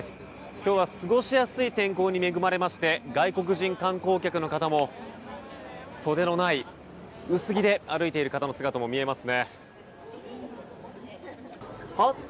今日は過ごしやすい天候に恵まれ外国人観光客も袖のない薄着で歩いている方の姿も見られます。